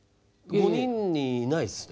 ５人にいないっすね。